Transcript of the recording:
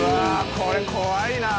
これ怖いなあ！